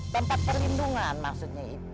tempat perlindungan maksudnya ini